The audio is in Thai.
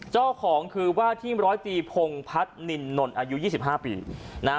เจ้าของคือว่าที่ร้อยตีผงพัทส์นินนนอายุยี่สิบห้าปีนะฮะ